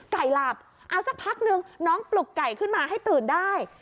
ไก่หลับเอาสักพักนึงน้องปลุกไก่ขึ้นมาให้ตื่นได้